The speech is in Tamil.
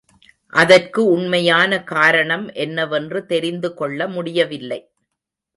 அதற்கு உண்மையான காரணம் என்ன வென்று தெரிந்து கொள்ள முடியவில்லை.